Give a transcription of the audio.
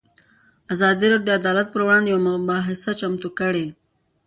ازادي راډیو د عدالت پر وړاندې یوه مباحثه چمتو کړې.